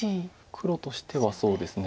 黒としてはそうですね。